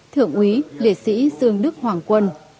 thượng úy liệt sĩ dương đức hoàng quân